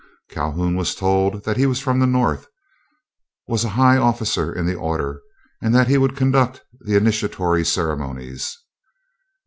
Calhoun was told that he was from the North, was a high officer in the order, and that he would conduct the initiatory ceremonies.